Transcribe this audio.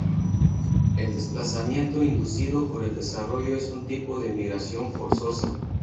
El desplazamiento inducido por el desarrollo es un tipo de migración forzosa.